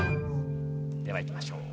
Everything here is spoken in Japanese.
ではいきましょう。